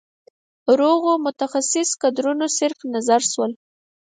روغو متخصص کدرونه صرف نظر شول.